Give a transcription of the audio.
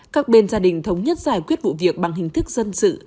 các bên gia đình thống nhất giải quyết vụ việc bằng hình thức dân sự